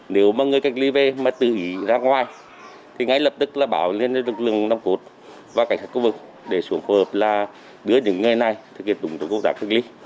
nếu mà người cách ly về mà tự ý ra ngoài thì ngay lập tức là bảo lên lực lượng đồng cột và cảnh sát khu vực để sử dụng phù hợp là đưa những người này thực hiện tổng cộng tác cách ly